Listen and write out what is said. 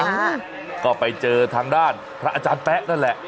อ่าก็ไปเจอทางด้านพระอาจารย์แป๊ะนั่นแหละ